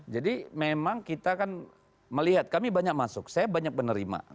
jadi memang kita kan melihat kami banyak masuk saya banyak menerima